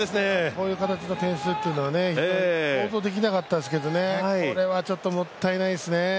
こういう形の点数っていうのは、想像できなかったですけどこれは本当にもったいないですね。